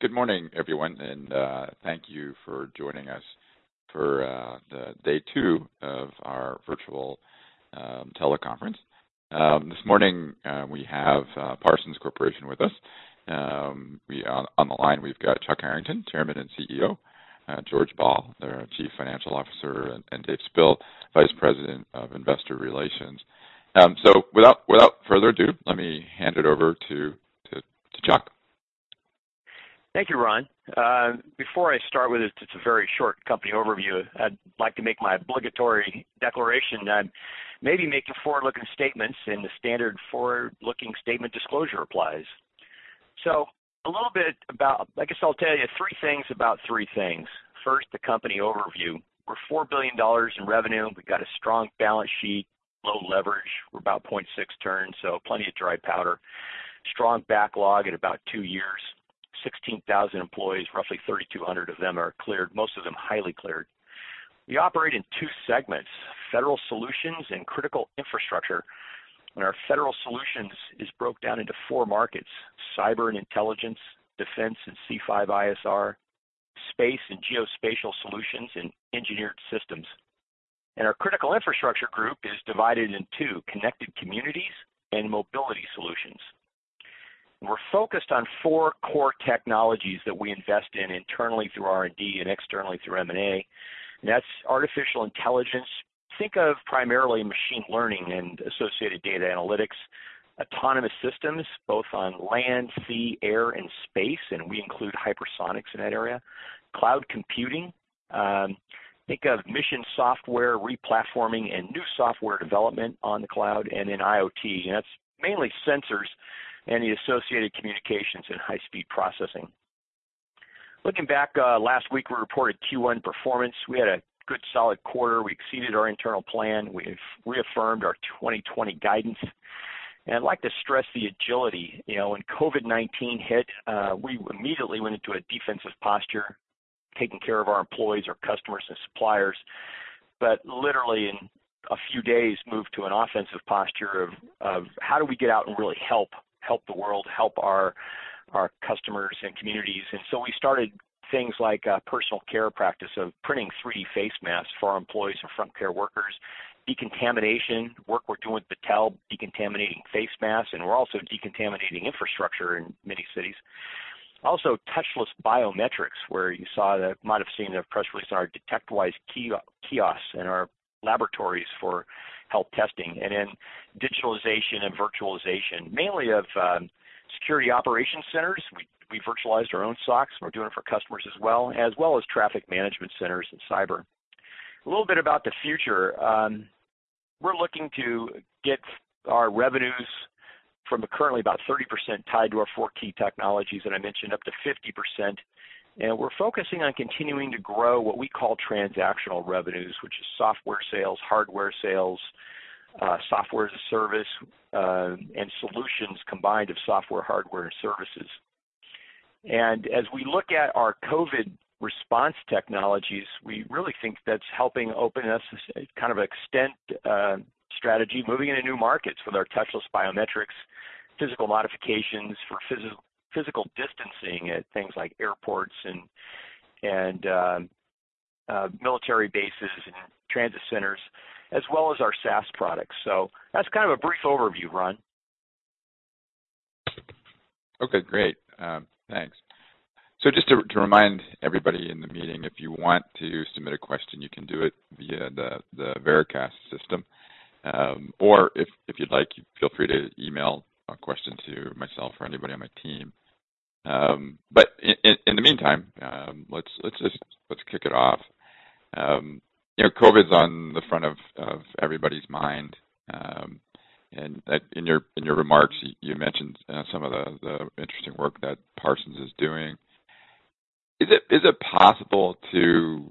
Good morning, everyone, and thank you for joining us for the day two of our virtual teleconference. This morning, we have Parsons Corporation with us. On the line, we've got Chuck Harrington, Chairman and Chief Executive Officer, George Ball, their Chief Financial Officer, and Dave Spille, Vice President of Investor Relations. Without further ado, let me hand it over to Chuck. Thank you, Ron. Before I start with just a very short company overview, I'd like to make my obligatory declaration that may be making forward-looking statements. The standard forward-looking statement disclosure applies. I guess I'll tell you three things about three things. First, the company overview. We're $4 billion in revenue. We've got a strong balance sheet, low leverage. We're about 0.6 turns. Plenty of dry powder. Strong backlog at about two years. 16,000 employees, roughly 3,200 of them are cleared, most of them highly cleared. We operate in two segments, Federal Solutions and Critical Infrastructure. Our Federal Solutions is broke down into four markets, Cyber and Intelligence, Defense and C5ISR, Space and Geospatial Solutions, and Engineered Systems. Our Critical Infrastructure group is divided in two, Connected Communities and Mobility Solutions. We're focused on four core technologies that we invest in internally through R&D and externally through M&A, and that's artificial intelligence. Think of primarily machine learning and associated data analytics. Autonomous systems, both on land, sea, air, and space, and we include hypersonics in that area. Cloud computing. Think of mission software, replatforming, and new software development on the cloud, and then IoT, and that's mainly sensors and the associated communications and high-speed processing. Looking back, last week we reported Q1 performance. We had a good solid quarter. We exceeded our internal plan. We've reaffirmed our 2020 guidance, and I'd like to stress the agility. When COVID-19 hit, we immediately went into a defensive posture, taking care of our employees, our customers, and suppliers. Literally in a few days, moved to an offensive posture of how do we get out and really help the world, help our customers and communities. So we started things like a personal care practice of printing 3D face masks for our employees and frontline care workers, decontamination, work we're doing with Battelle, decontaminating face masks, and we're also decontaminating infrastructure in many cities. Also touchless biometrics, where you might have seen a press release on our DetectWise kiosks and our laboratories for health testing. In digitalization and virtualization, mainly of Security Operations Centers. We virtualized our own SOCs and we're doing it for customers as well, as well as traffic management centers and cyber. A little bit about the future. We're looking to get our revenues from currently about 30% tied to our four key technologies that I mentioned, up to 50%. We're focusing on continuing to grow what we call transactional revenues, which is software sales, hardware sales, Software as a Service, and solutions combined of software, hardware, and services. As we look at our COVID-19 response technologies, we really think that's helping open us kind of an extent strategy, moving into new markets with our touchless biometrics, physical modifications for physical distancing at things like airports and military bases and transit centers, as well as our SaaS products. That's kind of a brief overview, Ron. Okay, great. Thanks. Just to remind everybody in the meeting, if you want to submit a question, you can do it via the Veracast system. If you'd like, feel free to email a question to myself or anybody on my team. In the meantime, let's kick it off. COVID's on the front of everybody's mind. In your remarks, you mentioned some of the interesting work that Parsons is doing. Is it possible to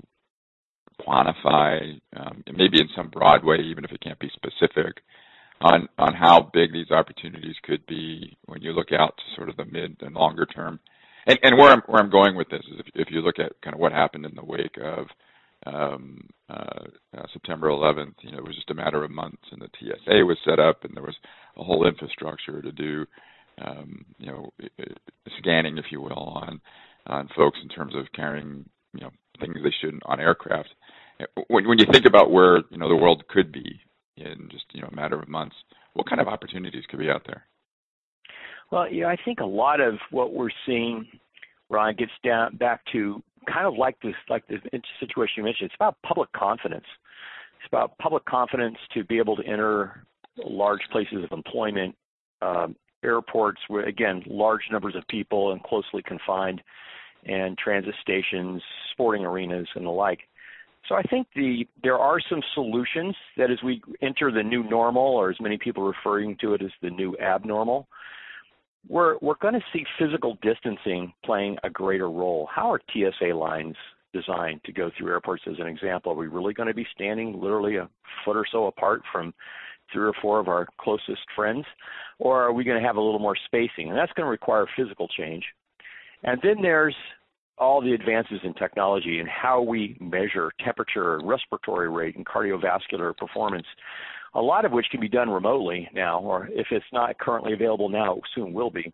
quantify, maybe in some broad way, even if it can't be specific, on how big these opportunities could be when you look out to sort of the mid and longer term? Where I'm going with this is if you look at kind of what happened in the wake of September 11th, it was just a matter of months and the TSA was set up and there was a whole infrastructure to do scanning, if you will, on folks in terms of carrying things they shouldn't on aircraft. When you think about where the world could be in just a matter of months, what kind of opportunities could be out there? I think a lot of what we're seeing, Ron, gets back to kind of like this situation you mentioned. It's about public confidence. It's about public confidence to be able to enter large places of employment, airports, where, again, large numbers of people and closely confined, transit stations, sporting arenas, and the like. I think there are some solutions that as we enter the new normal, or as many people are referring to it as the new abnormal, we're going to see physical distancing playing a greater role. How are TSA lines designed to go through airports, as an example? Are we really going to be standing literally a foot or so apart from three or four of our closest friends? Are we going to have a little more spacing? That's going to require physical change. There's all the advances in technology and how we measure temperature and respiratory rate and cardiovascular performance, a lot of which can be done remotely now, or if it's not currently available now, soon will be.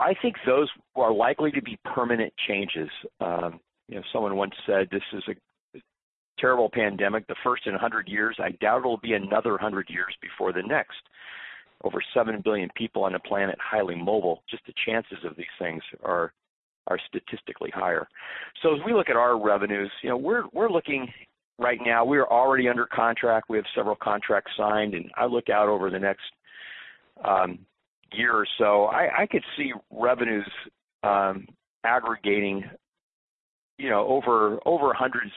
I think those are likely to be permanent changes. Someone once said, this is a terrible pandemic, the first in 100 years. I doubt it'll be another 100 years before the next. Over seven billion people on the planet, highly mobile. Just the chances of these things are statistically higher. As we look at our revenues, we're looking right now, we are already under contract. We have several contracts signed, and I look out over the next year or so, I could see revenues aggregating over $100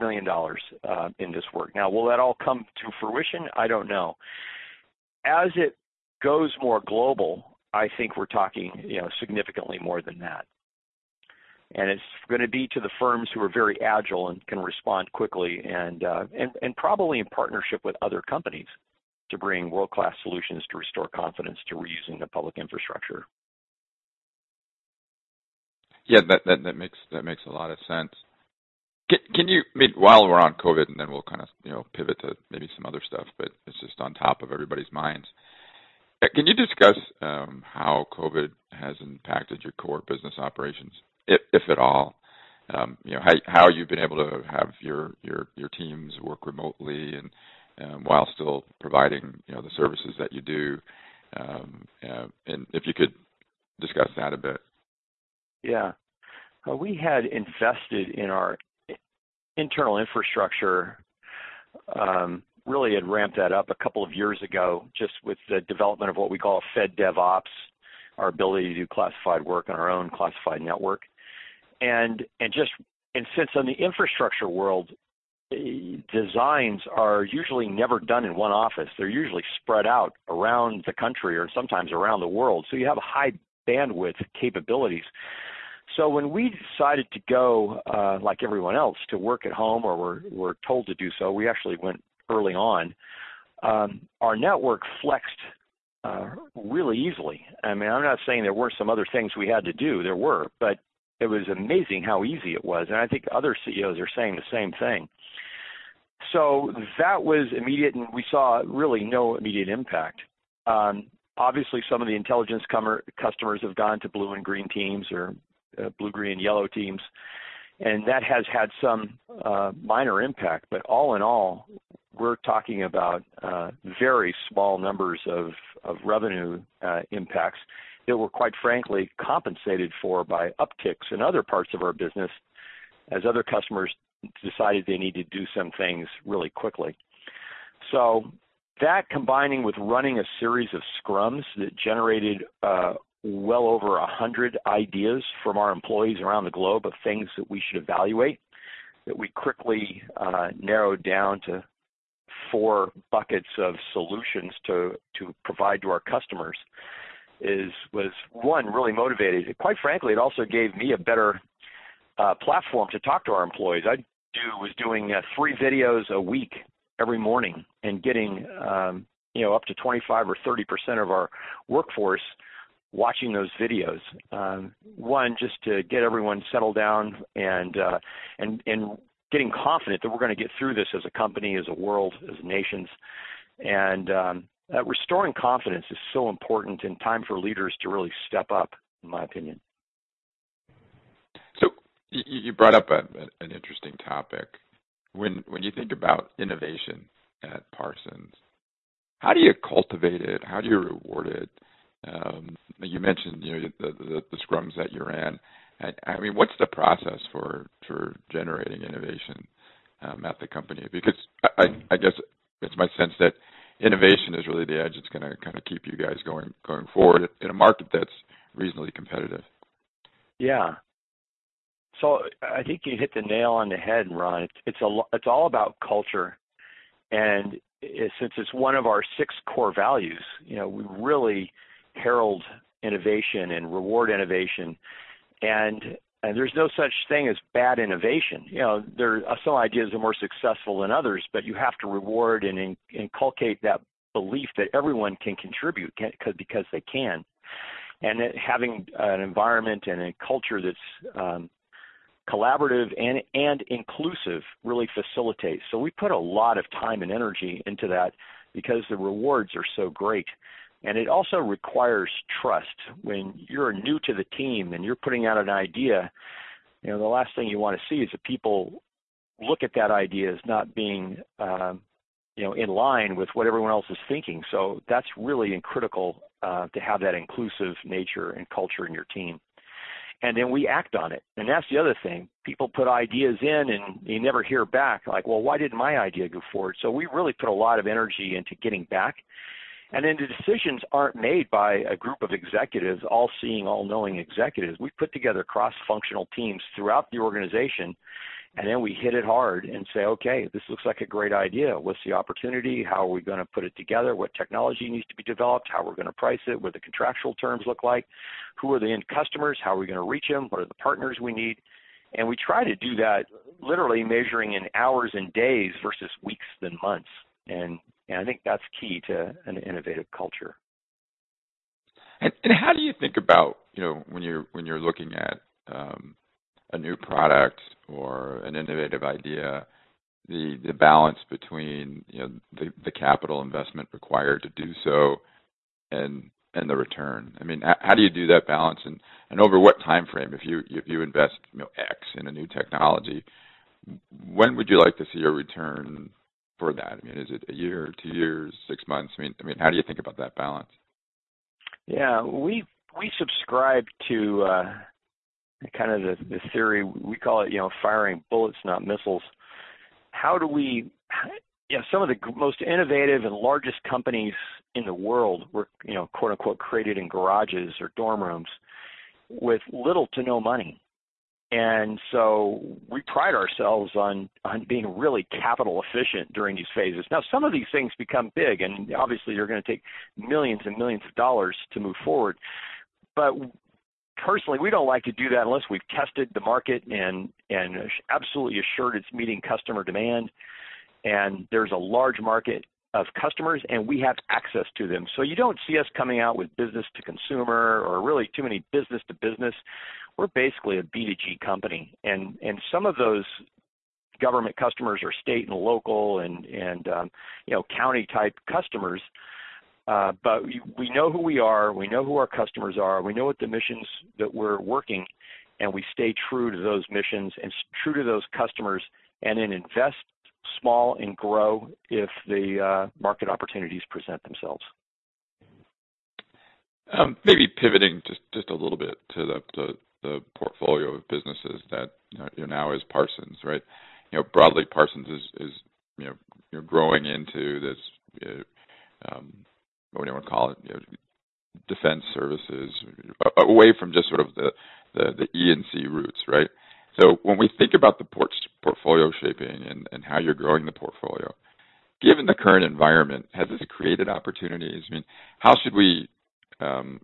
million in this work. Now, will that all come to fruition? I don't know. As it goes more global, I think we're talking significantly more than that. It's going to be to the firms who are very agile and can respond quickly, and probably in partnership with other companies to bring world-class solutions to restore confidence to reusing the public infrastructure. Yeah, that makes a lot of sense. While we're on COVID, and then we'll kind of pivot to maybe some other stuff, but it's just on top of everybody's minds. Can you discuss how COVID has impacted your core business operations, if at all? How you've been able to have your teams work remotely and while still providing the services that you do, and if you could discuss that a bit. Yeah. We had invested in our internal infrastructure, really had ramped that up a couple of years ago just with the development of what we call FedDevOps, our ability to do classified work on our own classified network. Since on the infrastructure world, designs are usually never done in one office. They're usually spread out around the country or sometimes around the world. You have high bandwidth capabilities. When we decided to go, like everyone else, to work at home, or were told to do so, we actually went early on. Our network flexed really easily. I'm not saying there weren't some other things we had to do. There were, but it was amazing how easy it was, and I think other CEOs are saying the same thing. That was immediate, and we saw really no immediate impact. Obviously, some of the intelligence customers have gone to blue and green teams or blue, green, yellow teams, and that has had some minor impact. All in all, we're talking about very small numbers of revenue impacts that were, quite frankly, compensated for by upticks in other parts of our business as other customers decided they need to do some things really quickly. That, combining with running a series of scrums that generated well over 100 ideas from our employees around the globe of things that we should evaluate, that we quickly narrowed down to four buckets of solutions to provide to our customers was, one, really motivating. Quite frankly, it also gave me a better platform to talk to our employees. I was doing three videos a week every morning and getting up to 25 or 30% of our workforce watching those videos. One, just to get everyone settled down and getting confident that we're going to get through this as a company, as a world, as nations. Restoring confidence is so important, and time for leaders to really step up, in my opinion. You brought up an interesting topic. When you think about innovation at Parsons, how do you cultivate it? How do you reward it? You mentioned the scrums that you ran. What's the process for generating innovation at the company? I guess it's my sense that innovation is really the edge that's going to kind of keep you guys going forward in a market that's reasonably competitive. I think you hit the nail on the head, Ron. It's all about culture. Since it's one of our six core values, we really herald innovation and reward innovation. There's no such thing as bad innovation. Some ideas are more successful than others, but you have to reward and inculcate that belief that everyone can contribute because they can. Having an environment and a culture that's collaborative and inclusive really facilitates. We put a lot of time and energy into that because the rewards are so great. It also requires trust. When you're new to the team and you're putting out an idea, the last thing you want to see is the people look at that idea as not being in line with what everyone else is thinking. That's really critical to have that inclusive nature and culture in your team. We act on it. That's the other thing. People put ideas in, and they never hear back, like, "Well, why didn't my idea go forward?" We really put a lot of energy into getting back. The decisions aren't made by a group of executives, all-seeing, all-knowing executives. We put together cross-functional teams throughout the organization, we hit it hard and say, "Okay, this looks like a great idea. What's the opportunity? How are we going to put it together? What technology needs to be developed? How are we going to price it? What do the contractual terms look like? Who are the end customers? How are we going to reach them? What are the partners we need?" We try to do that literally measuring in hours and days versus weeks, then months. I think that's key to an innovative culture. How do you think about when you're looking at a new product or an innovative idea, the balance between the capital investment required to do so and the return? How do you do that balance, and over what timeframe? If you invest X in a new technology, when would you like to see a return for that? Is it a year, 2 years, 6 months? How do you think about that balance? Yeah. We subscribe to kind of the theory, we call it firing bullets, not missiles. Some of the most innovative and largest companies in the world were, quote unquote, "Created in garages or dorm rooms with little to no money." We pride ourselves on being really capital efficient during these phases. Now, some of these things become big, and obviously you're going to take millions and millions of dollars to move forward. Personally, we don't like to do that unless we've tested the market and are absolutely assured it's meeting customer demand, and there's a large market of customers, and we have access to them. You don't see us coming out with business to consumer or really too many business to business. We're basically a B2G company, and some of those government customers are state and local and county-type customers. We know who we are, we know who our customers are, we know what the missions that we're working, and we stay true to those missions and true to those customers, and then invest small and grow if the market opportunities present themselves. Maybe pivoting just a little bit to the portfolio of businesses that you now as Parsons, right? Broadly, Parsons is growing into this, whatever you want to call it, defense services, away from just sort of the E&C roots, right? When we think about the portfolio shaping and how you're growing the portfolio, given the current environment, has this created opportunities? How should we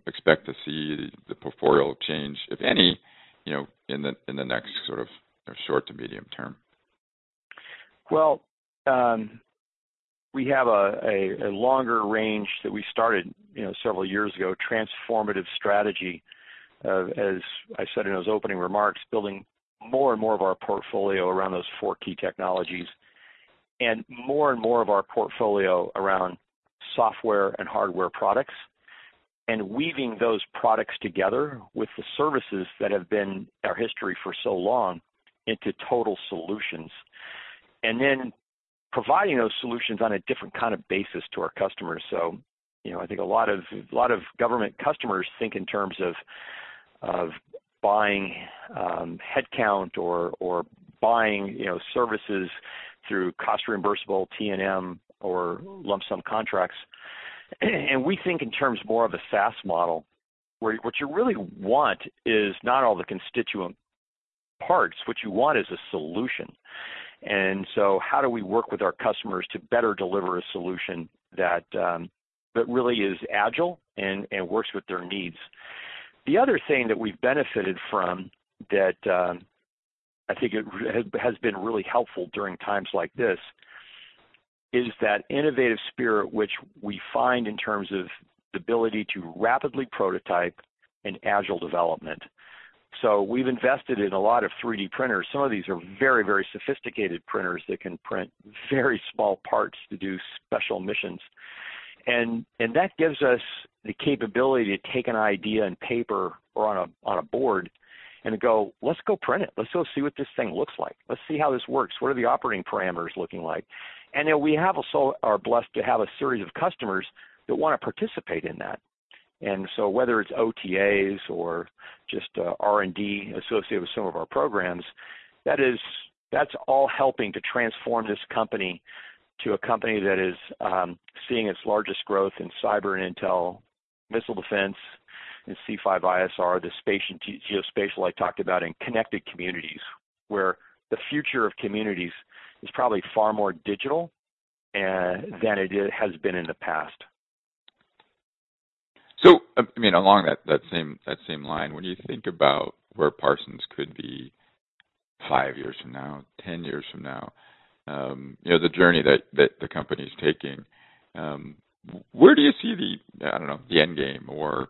expect to see the portfolio change, if any, in the next sort of short to medium term? We have a longer range that we started several years ago, transformative strategy, as I said in those opening remarks, building more and more of our portfolio around those four key technologies, and more and more of our portfolio around software and hardware products, and weaving those products together with the services that have been our history for so long into total solutions. Providing those solutions on a different kind of basis to our customers. I think a lot of government customers think in terms of buying headcount or buying services through cost reimbursable T&M or lump sum contracts. We think in terms more of a SaaS model, where what you really want is not all the constituent parts, what you want is a solution. How do we work with our customers to better deliver a solution that really is agile and works with their needs? The other thing that we've benefited from that I think has been really helpful during times like this, is that innovative spirit which we find in terms of the ability to rapidly prototype an agile development. We've invested in a lot of 3D printers. Some of these are very, very sophisticated printers that can print very small parts to do special missions. That gives us the capability to take an idea on paper or on a board and go, "Let's go print it. Let's go see what this thing looks like. Let's see how this works. What are the operating parameters looking like?" We also are blessed to have a series of customers that want to participate in that. Whether it's OTAs or just R&D associated with some of our programs, that's all helping to transform this company to a company that is seeing its largest growth in Cyber and Intel, missile defense, and C5ISR, the Geospatial I talked about, and Connected Communities, where the future of communities is probably far more digital than it has been in the past. Along that same line, when you think about where Parsons could be five years from now, 10 years from now, the journey that the company's taking, where do you see the, I don't know, the end game or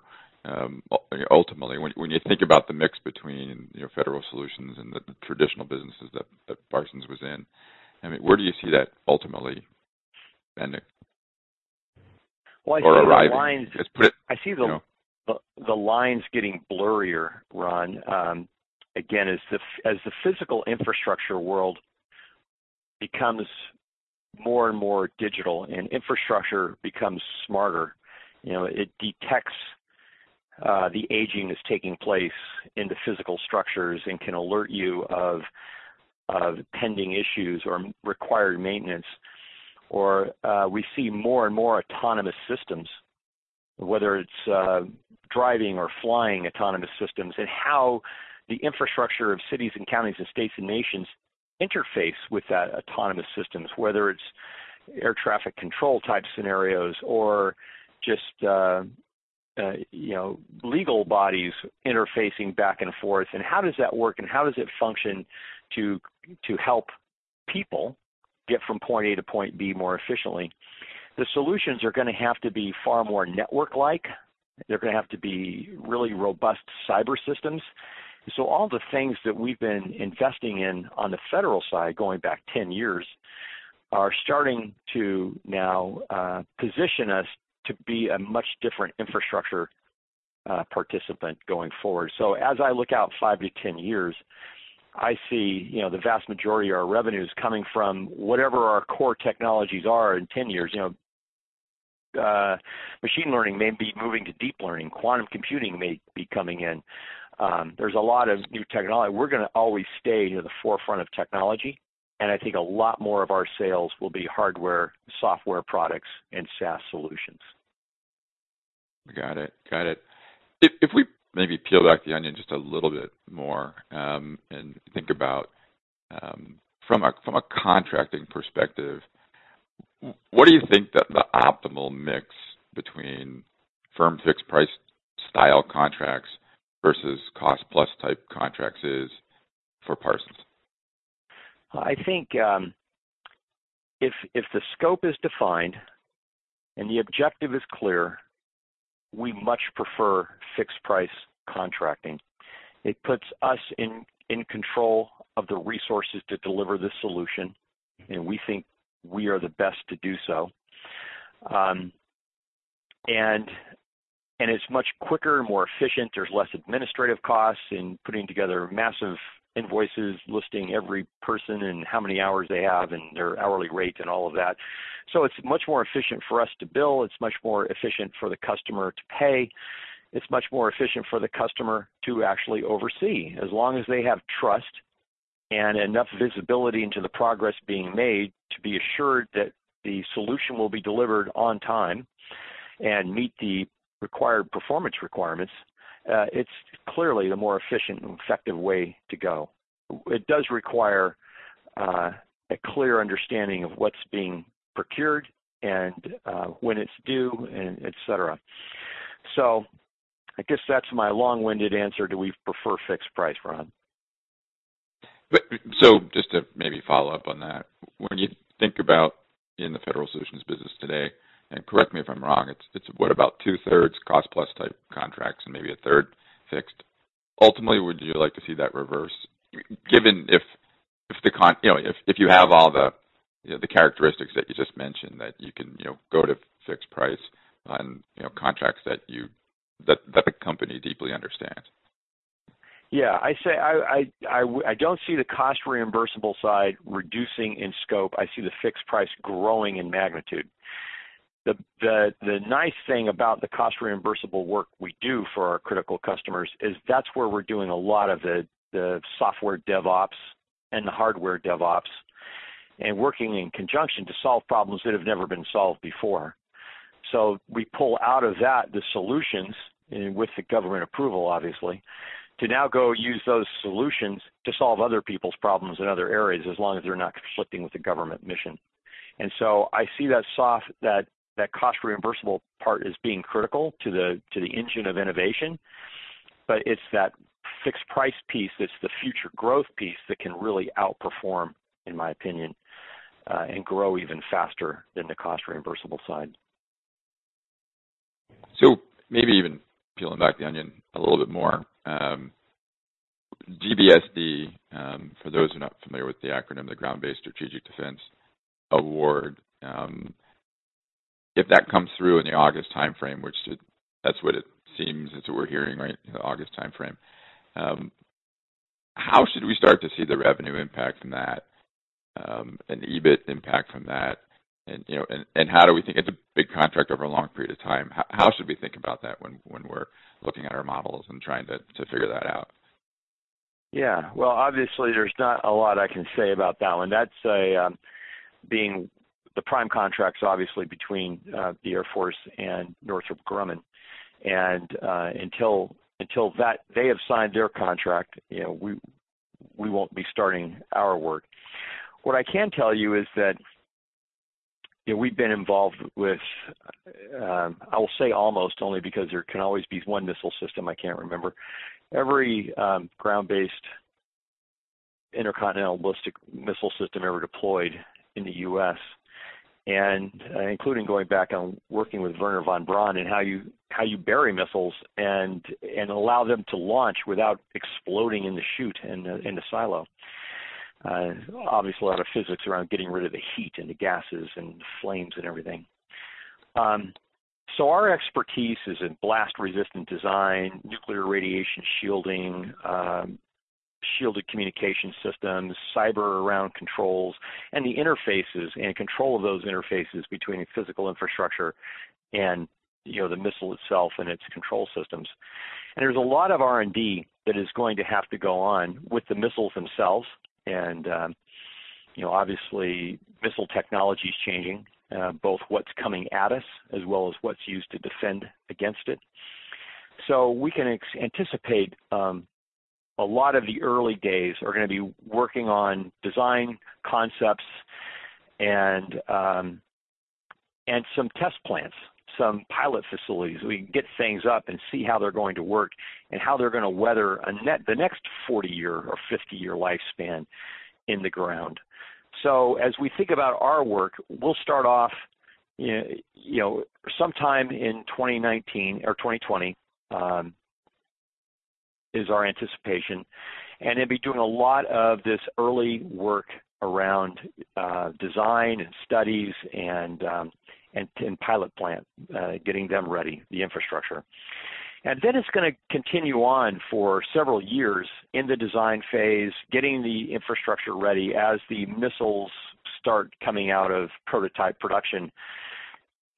ultimately, when you think about the mix between Federal Solutions and the traditional businesses that Parsons was in, where do you see that ultimately ending? Well, I see- arriving, I guess. I see. You know. lines getting blurrier, Ron. As the physical infrastructure world becomes more and more digital and infrastructure becomes smarter, it detects the aging that's taking place in the physical structures and can alert you of pending issues or required maintenance. We see more and more autonomous systems, whether it's driving or flying autonomous systems, and how the infrastructure of cities and counties and states and nations interface with that autonomous systems, whether it's air traffic control-type scenarios or just legal bodies interfacing back and forth, and how does that work and how does it function to help people get from point A to point B more efficiently. The solutions are going to have to be far more network-like. They're going to have to be really robust cyber systems. All the things that we've been investing in on the Federal side going back 10 years are starting to now position us to be a much different infrastructure participant going forward. As I look out 5 to 10 years, I see the vast majority of our revenues coming from whatever our core technologies are in 10 years. Machine learning may be moving to deep learning. Quantum computing may be coming in. There's a lot of new technology. We're going to always stay near the forefront of technology, and I think a lot more of our sales will be hardware, software products, and SaaS solutions. Got it. If we maybe peel back the onion just a little bit more, think about from a contracting perspective, what do you think that the optimal mix between firm fixed price style contracts versus cost-plus type contracts is for Parsons? I think if the scope is defined and the objective is clear, we much prefer fixed price contracting. It puts us in control of the resources to deliver the solution, and we think we are the best to do so. It's much quicker, more efficient. There's less administrative costs in putting together massive invoices, listing every person and how many hours they have and their hourly rate and all of that. It's much more efficient for us to bill. It's much more efficient for the customer to pay. It's much more efficient for the customer to actually oversee. As long as they have trust and enough visibility into the progress being made to be assured that the solution will be delivered on time and meet the required performance requirements, it's clearly the more efficient and effective way to go. It does require a clear understanding of what's being procured and when it's due, and et cetera. I guess that's my long-winded answer to we prefer fixed price, Ron. Just to maybe follow up on that, when you think about in the Federal Solutions business today, and correct me if I'm wrong, it's what, about two-thirds cost-plus type contracts and maybe a third fixed? Ultimately, would you like to see that reverse, given if you have all the characteristics that you just mentioned, that you can go to fixed price on contracts that the company deeply understands? Yeah. I don't see the cost reimbursable side reducing in scope. I see the fixed price growing in magnitude. The nice thing about the cost reimbursable work we do for our critical customers is that's where we're doing a lot of the software DevOps and the hardware DevOps, and working in conjunction to solve problems that have never been solved before. We pull out of that the solutions, with the government approval, obviously, to now go use those solutions to solve other people's problems in other areas, as long as they're not conflicting with the government mission. I see that cost reimbursable part as being critical to the engine of innovation. It's that fixed price piece that's the future growth piece that can really outperform, in my opinion, and grow even faster than the cost reimbursable side. Maybe even peeling back the onion a little bit more. GBSD, for those who are not familiar with the acronym, the Ground-Based Strategic Deterrent award, if that comes through in the August timeframe, which that's what it seems, that's what we're hearing, right? The August timeframe. How should we start to see the revenue impact from that, and the EBIT impact from that? It's a big contract over a long period of time. How should we think about that when we're looking at our models and trying to figure that out? Yeah. Well, obviously, there's not a lot I can say about that one. That's being the prime contract's obviously between the U.S. Air Force and Northrop Grumman. Until they have signed their contract, we won't be starting our work. What I can tell you is that we've been involved with, I'll say almost, only because there can always be one missile system I can't remember. Every ground-based intercontinental ballistic missile system ever deployed in the U.S., and including going back and working with Wernher von Braun and how you bury missiles and allow them to launch without exploding in the chute, in the silo. Obviously, a lot of physics around getting rid of the heat and the gases and flames and everything. Our expertise is in blast-resistant design, nuclear radiation shielding, Cyber around controls, and the interfaces and control of those interfaces between the physical infrastructure and the missile itself and its control systems. There's a lot of R&D that is going to have to go on with the missiles themselves, and obviously, missile technology's changing, both what's coming at us as well as what's used to defend against it. We can anticipate a lot of the early days are going to be working on design concepts, and some test plants, some pilot facilities. We can get things up and see how they're going to work, and how they're going to weather the next 40-year or 50-year lifespan in the ground. As we think about our work, we'll start off, sometime in 2019 or 2020, is our anticipation, and then be doing a lot of this early work around design and studies and pilot plant, getting them ready, the infrastructure. It's going to continue on for several years in the design phase, getting the infrastructure ready as the missiles start coming out of prototype production.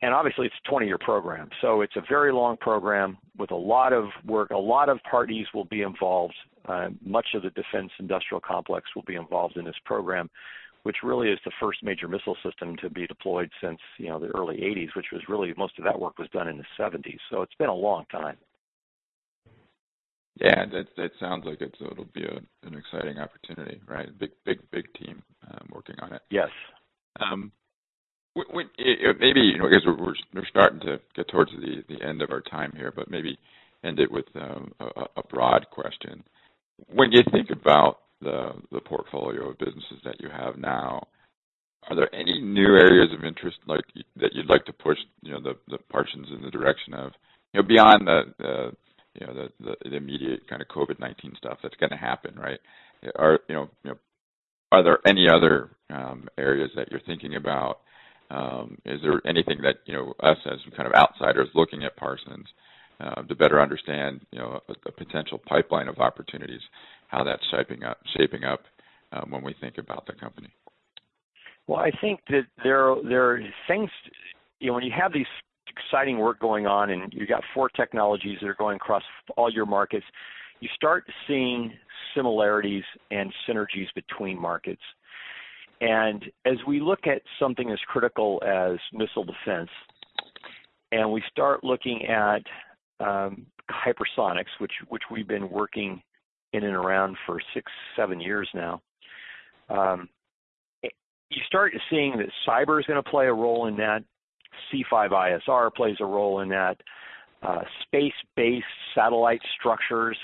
Obviously, it's a 20-year program, it's a very long program with a lot of work. A lot of parties will be involved. Much of the defense industrial complex will be involved in this program, which really is the first major missile system to be deployed since the early '80s, which was really, most of that work was done in the '70s. It's been a long time. Yeah. That sounds like it's going to be an exciting opportunity, right? Big team working on it. Yes. We're starting to get towards the end of our time here, but maybe end it with a broad question. When you think about the portfolio of businesses that you have now, are there any new areas of interest that you'd like to push Parsons in the direction of, beyond the immediate kind of COVID-19 stuff that's going to happen, right? Are there any other areas that you're thinking about? Is there anything that us, as kind of outsiders looking at Parsons, to better understand a potential pipeline of opportunities, how that's shaping up when we think about the company? Well, I think that when you have this exciting work going on, and you've got four technologies that are going across all your markets, you start seeing similarities and synergies between markets. As we look at something as critical as missile defense, and we start looking at hypersonics, which we've been working in and around for six, seven years now, you start seeing that cyber's going to play a role in that. C5ISR plays a role in that. Space-based satellite structures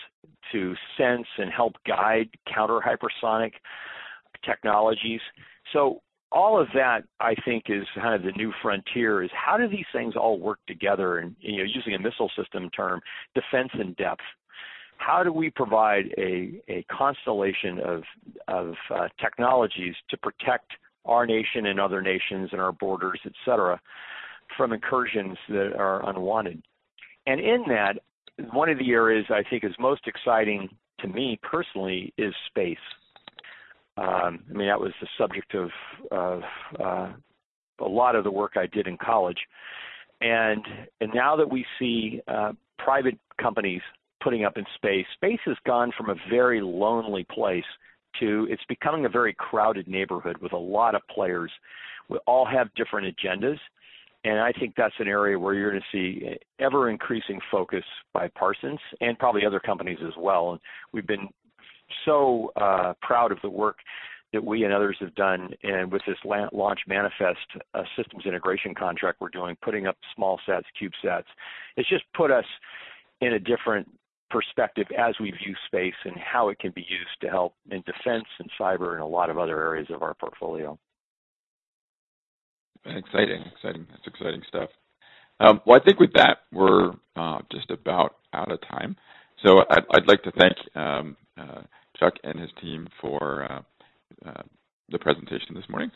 to sense and help guide counter-hypersonic technologies. All of that, I think, is kind of the new frontier, is how do these things all work together and using a missile system term, defense in depth. How do we provide a constellation of technologies to protect our nation and other nations and our borders, et cetera, from incursions that are unwanted? In that, one of the areas I think is most exciting to me personally is space. I mean, that was the subject of a lot of the work I did in college. Now that we see private companies putting up in space has gone from a very lonely place to, it's becoming a very crowded neighborhood with a lot of players who all have different agendas. I think that's an area where you're going to see ever-increasing focus by Parsons, and probably other companies as well. We've been so proud of the work that we and others have done. With this Launch Manifest Systems Integration contract we're doing, putting up smallsats, CubeSats, it's just put us in a different perspective as we view space and how it can be used to help in defense and cyber and a lot of other areas of our portfolio. Exciting. That's exciting stuff. I think with that, we're just about out of time. I'd like to thank Chuck and his team for the presentation this morning.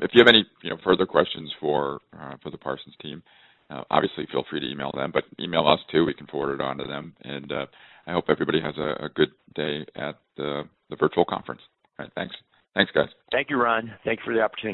If you have any further questions for the Parsons team, obviously feel free to email them, but email us too. We can forward it on to them. I hope everybody has a good day at the virtual conference. Thanks. Thanks, guys. Thank you, Ron. Thanks for the opportunity